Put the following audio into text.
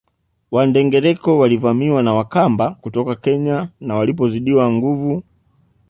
Wandengereko walivamiwa na Wakamba kutoka Kenya na walipozidiwa nguvu